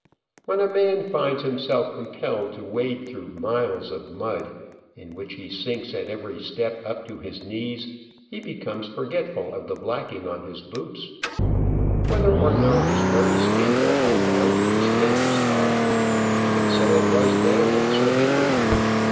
When a man finds himself compelled to wade through miles of mud, in which he sinks at every step up to his knees, he becomes forgetful of the blacking on his boots. Whether or no his very skin will hold out, is then his thought. And so it was now with Sir Henry.